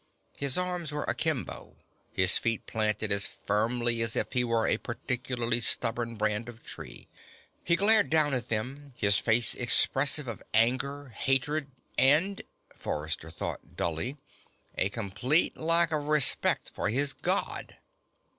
His arms were akimbo, his feet planted as firmly as if he were a particularly stubborn brand of tree. He glared down at them, his face expressive of anger, hatred and, Forrester thought dully, a complete lack of respect for his God.